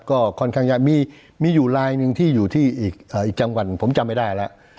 ก็ค่อนข้างจะมีอยู่ลายหนึ่งที่อยู่ที่อีกจังหวัดผมจำไม่ได้แล้ว